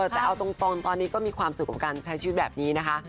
แต่เอาตรงตอนนี้ก็มีความสุขกับการใช้ชีวิตแบบนี้นะคะ